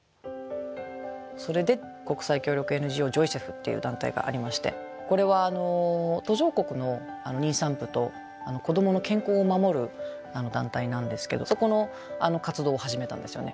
それで国際協力ＮＧＯジョイセフっていう団体がありましてこれは途上国の妊産婦と子どもの健康を守る団体なんですけどそこの活動を始めたんですよね。